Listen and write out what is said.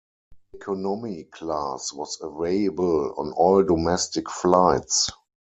Economy Class was available on all domestic flights.